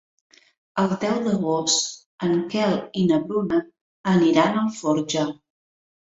El deu d'agost en Quel i na Bruna aniran a Alforja.